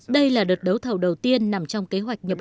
đây là đợt đấu thầu đầu tiên nằm trong kế hoạch nhập